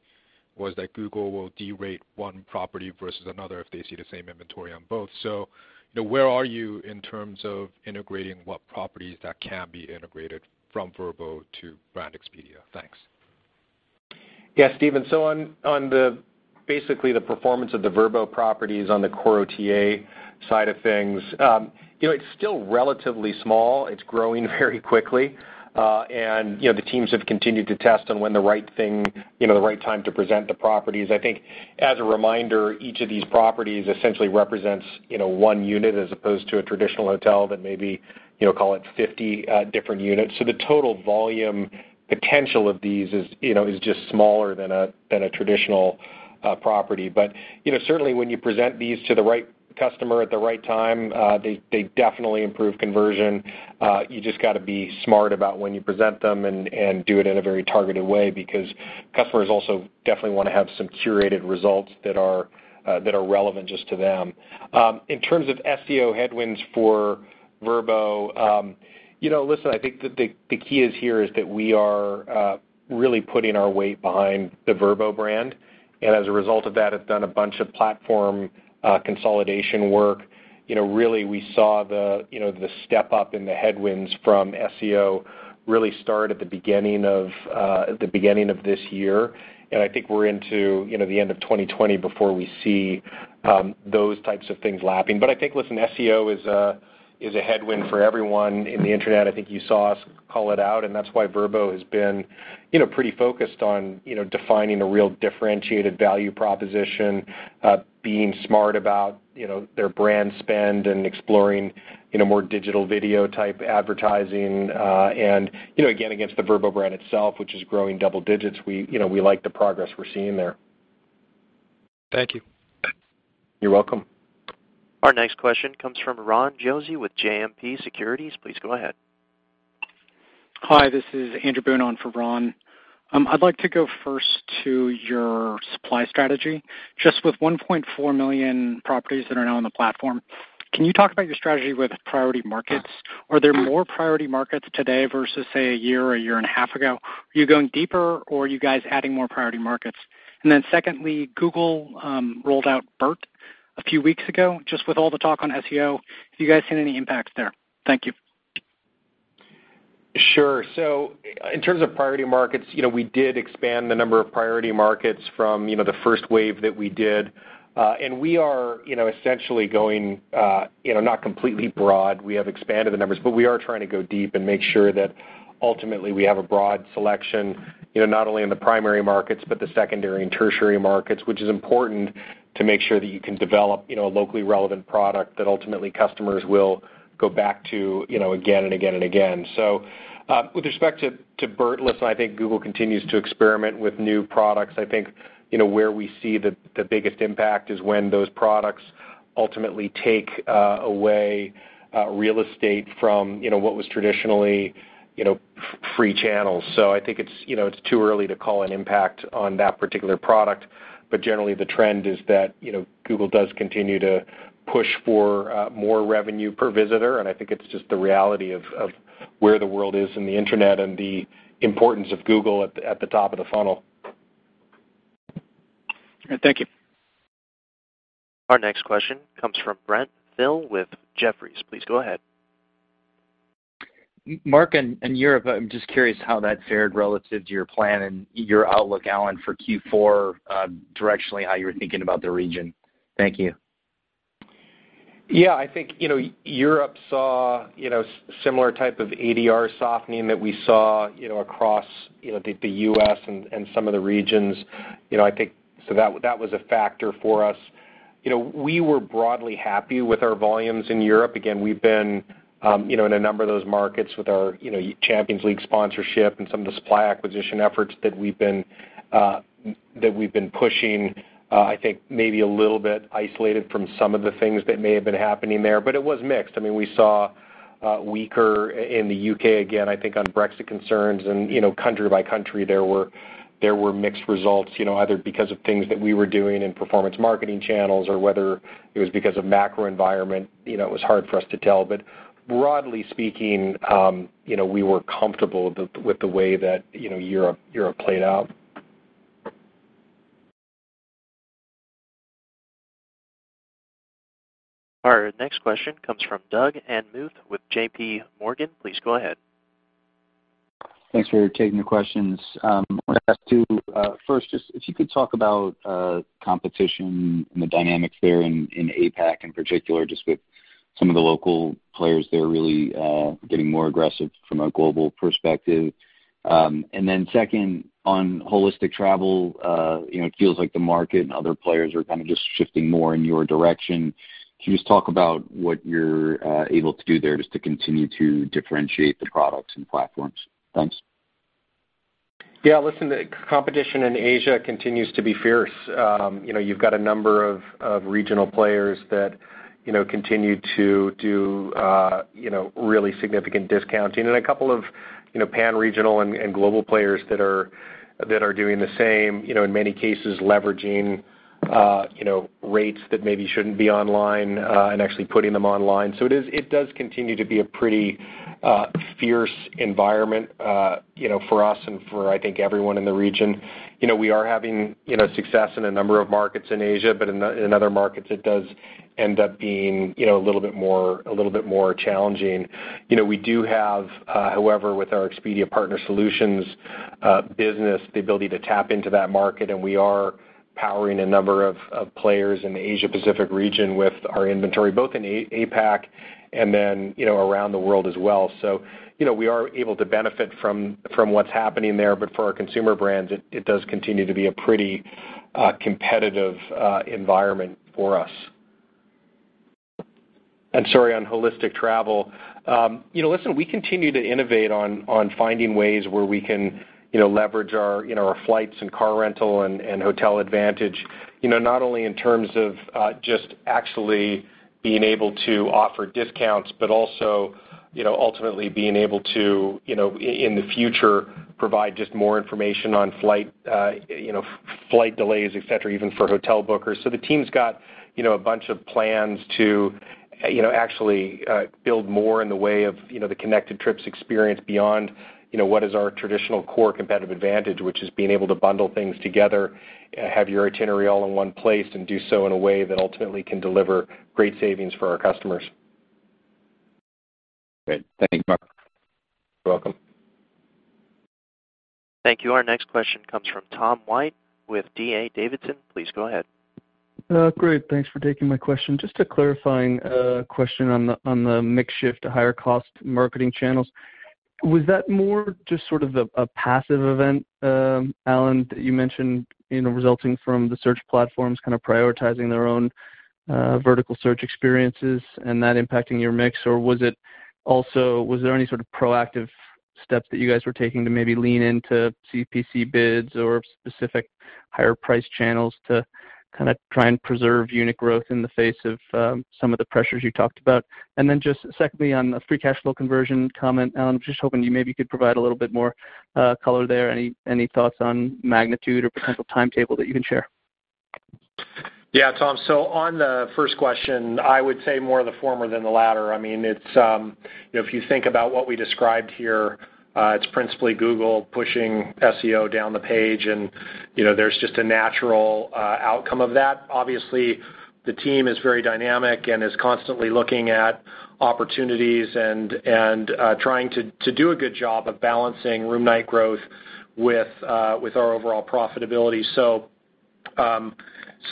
was that Google will derate one property versus another if they see the same inventory on both. Where are you in terms of integrating what properties that can be integrated from Vrbo to Brand Expedia? Thanks. Yeah, Stephen. On basically the performance of the Vrbo properties on the core OTA side of things, it's still relatively small. It's growing very quickly. The teams have continued to test on when the right time to present the properties. I think as a reminder, each of these properties essentially represents one unit as opposed to a traditional hotel that maybe, call it 50 different units. The total volume potential of these is just smaller than a traditional property. Certainly when you present these to the right customer at the right time, they definitely improve conversion. You just got to be smart about when you present them and do it in a very targeted way because customers also definitely want to have some curated results that are relevant just to them. In terms of SEO headwinds for Vrbo, listen, I think the key is here is that we are really putting our weight behind the Vrbo brand, and as a result of that, have done a bunch of platform consolidation work. We saw the step up in the headwinds from SEO really start at the beginning of this year. I think we're into the end of 2020 before we see those types of things lapping. I think, listen, SEO is a headwind for everyone in the internet. I think you saw us call it out, and that's why Vrbo has been pretty focused on defining a real differentiated value proposition, being smart about their brand spend, and exploring more digital video-type advertising. Again, against the Vrbo brand itself, which is growing double digits, we like the progress we're seeing there. Thank you. You're welcome. Our next question comes from Ron Josey with JMP Securities. Please go ahead. Hi, this is Andrew Boone on for Ron. I'd like to go first to your supply strategy. Just with 1.4 million properties that are now on the platform, can you talk about your strategy with priority markets? Are there more priority markets today versus, say, a year or a year and a half ago? Are you going deeper or are you guys adding more priority markets? Secondly, Google rolled out BERT a few weeks ago. Just with all the talk on SEO, have you guys seen any impacts there? Thank you. Sure. In terms of priority markets, we did expand the number of priority markets from the first wave that we did. We are essentially going not completely broad. We have expanded the numbers, but we are trying to go deep and make sure that ultimately we have a broad selection, not only in the primary markets, but the secondary and tertiary markets, which is important to make sure that you can develop a locally relevant product that ultimately customers will go back to again and again and again. With respect to BERT, listen, I think Google continues to experiment with new products. I think where we see the biggest impact is when those products ultimately take away real estate from what was traditionally free channels. I think it's too early to call an impact on that particular product. Generally, the trend is that Google does continue to push for more revenue per visitor, and I think it's just the reality of where the world is in the internet and the importance of Google at the top of the funnel. All right. Thank you. Our next question comes from Brent Thill with Jefferies. Please go ahead. Mark, in Europe, I'm just curious how that fared relative to your plan and your outlook, Alan, for Q4, directionally, how you're thinking about the region. Thank you. I think Europe saw similar type of ADR softening that we saw across the U.S. and some of the regions. That was a factor for us. We were broadly happy with our volumes in Europe. Again, we've been in a number of those markets with our Champions League sponsorship and some of the supply acquisition efforts that we've been pushing, I think maybe a little bit isolated from some of the things that may have been happening there. It was mixed. I mean, we saw weaker in the U.K., again, I think on Brexit concerns and country by country there were mixed results, either because of things that we were doing in performance marketing channels or whether it was because of macro environment, it was hard for us to tell. Broadly speaking, we were comfortable with the way that Europe played out. All right. Next question comes from Doug Anmuth with JPMorgan. Please go ahead. Thanks for taking the questions. I'm going to ask two. First, if you could talk about competition and the dynamics there in APAC in particular, just with some of the local players there really getting more aggressive from a global perspective. Second, on holistic travel, it feels like the market and other players are kind of just shifting more in your direction. Can you just talk about what you're able to do there just to continue to differentiate the products and platforms? Thanks. Yeah. Listen, the competition in Asia continues to be fierce. You've got a number of regional players that continue to do really significant discounting, and a couple of pan-regional and global players that are doing the same, in many cases leveraging rates that maybe shouldn't be online, and actually putting them online. It does continue to be a pretty fierce environment, for us and for I think everyone in the region. We are having success in a number of markets in Asia, in other markets, it does end up being a little bit more challenging. We do have, however, with our Expedia Partner Solutions business, the ability to tap into that market, and we are powering a number of players in the Asia-Pacific region with our inventory, both in APAC and then around the world as well. We are able to benefit from what's happening there, but for our consumer brands, it does continue to be a pretty competitive environment for us. Sorry, on holistic travel. Listen, we continue to innovate on finding ways where we can leverage our flights and car rental and hotel advantage, not only in terms of just actually being able to offer discounts, but also ultimately being able to, in the future, provide just more information on flight delays, et cetera, even for hotel bookers. The team's got a bunch of plans to actually build more in the way of the connected trips experience beyond what is our traditional core competitive advantage, which is being able to bundle things together, have your itinerary all in one place, and do so in a way that ultimately can deliver great savings for our customers. Great. Thank you, Mark. You're welcome. Thank you. Our next question comes from Tom White with D.A. Davidson. Please go ahead. Great. Thanks for taking my question. Just a clarifying question on the mix shift to higher cost marketing channels. Was that more just sort of a passive event, Alan, that you mentioned resulting from the search platforms kind of prioritizing their own vertical search experiences and that impacting your mix? Was there any sort of proactive steps that you guys were taking to maybe lean into CPC bids or specific higher price channels to kind of try and preserve unit growth in the face of some of the pressures you talked about? Secondly, on the free cash flow conversion comment, Alan, I'm just hoping you maybe could provide a little bit more color there. Any thoughts on magnitude or potential timetable that you can share? Yeah, Tom. On the first question, I would say more of the former than the latter. If you think about what we described here, it's principally Google pushing SEO down the page, and there's just a natural outcome of that. Obviously, the team is very dynamic and is constantly looking at opportunities and trying to do a good job of balancing room night growth with our overall profitability.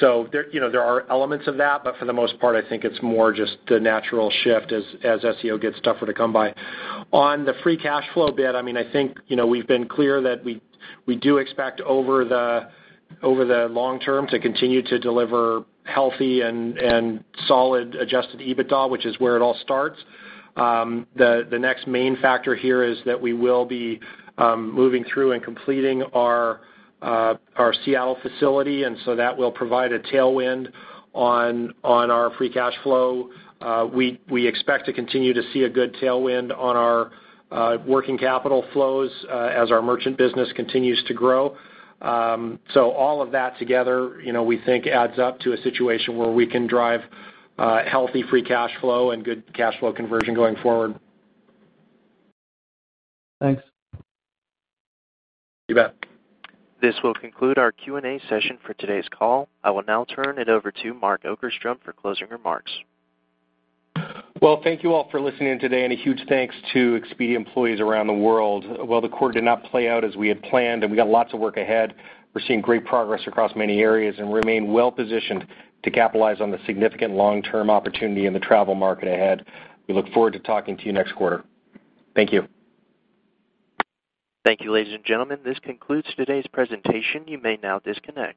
There are elements of that, but for the most part, I think it's more just the natural shift as SEO gets tougher to come by. On the free cash flow bit, I think we've been clear that we do expect over the long term to continue to deliver healthy and solid adjusted EBITDA, which is where it all starts. The next main factor here is that we will be moving through and completing our Seattle facility. That will provide a tailwind on our free cash flow. We expect to continue to see a good tailwind on our working capital flows as our merchant business continues to grow. All of that together, we think adds up to a situation where we can drive healthy free cash flow and good cash flow conversion going forward. Thanks. You bet. This will conclude our Q&A session for today's call. I will now turn it over to Mark Okerstrom for closing remarks. Well, thank you all for listening today, and a huge thanks to Expedia employees around the world. While the quarter did not play out as we had planned and we got lots of work ahead, we're seeing great progress across many areas and remain well-positioned to capitalize on the significant long-term opportunity in the travel market ahead. We look forward to talking to you next quarter. Thank you. Thank you, ladies and gentlemen. This concludes today's presentation. You may now disconnect.